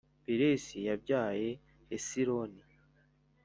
Peresi yabyaye Hesironi